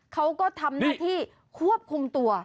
เขาก็ทำหน้าที่ควบคุมตัว